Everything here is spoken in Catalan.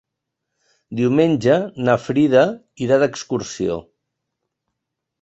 Diumenge na Frida irà d'excursió.